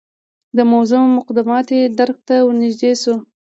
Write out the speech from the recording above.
د موضوع مقدماتي درک ته ورنژدې شو.